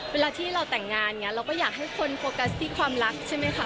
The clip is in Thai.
เวลาที่เราแต่งงานอย่างนี้เราก็อยากให้คนโฟกัสที่ความรักใช่ไหมคะ